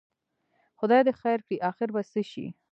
خدای دې خیر کړي، اخر به څه شي؟